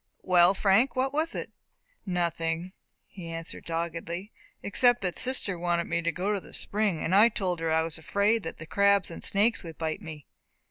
"Well, Frank, what was it?" "Nothing," he answered, doggedly, "except that sister wanted me to go to the spring, and I told her I was afraid that the crabs and snakes would bite me."